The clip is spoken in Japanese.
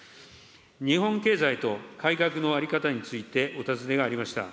日本経済と改革の在り方についてお尋ねがありました。